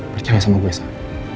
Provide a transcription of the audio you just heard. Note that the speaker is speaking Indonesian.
percaya sama gue sar